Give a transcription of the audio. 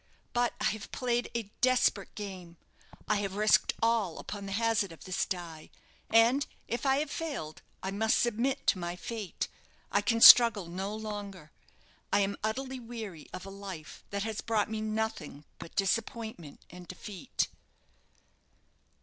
But I have played a desperate game I have risked all upon the hazard of this die and if I have failed I must submit to my fate. I can struggle no longer; I am utterly weary of a life that has brought me nothing but disappointment and defeat."